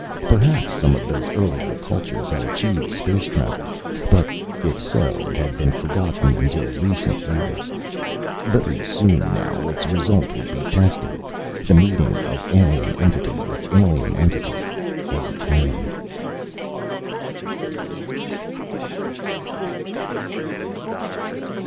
Perhaps some of those earlier cultures had achieved space travel. But, if so, it had been forgotten until recent years. Very soon now its result would be tested. The meeting of alien entity with alien entity was at hand.